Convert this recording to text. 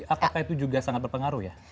apakah itu juga sangat berpengaruh ya